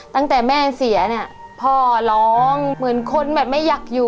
ตั้งแต่แม่เสียเนี่ยพ่อร้องเหมือนคนแบบไม่อยากอยู่